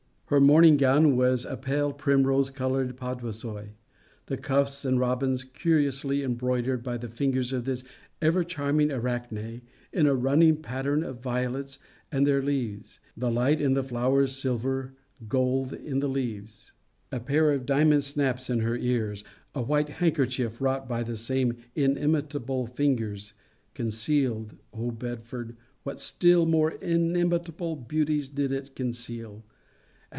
Her morning gown was a pale primrose coloured paduasoy: the cuffs and robins curiously embroidered by the fingers of this ever charming Arachne, in a running pattern of violets and their leaves, the light in the flowers silver, gold in the leaves. A pair of diamond snaps in her ears. A white handkerchief wrought by the same inimitable fingers concealed O Belford! what still more inimitable beauties did it not conceal!